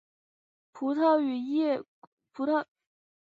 葡萄与苹果卷叶蛾是卷叶蛾科下的一种蛾。